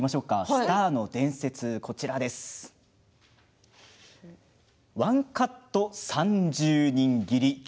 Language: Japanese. スターの伝説「１カット３０人斬り」